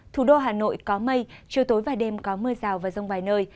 thủ đô hà nội có mây chiều tối và đêm có mưa rào và rông vài nơi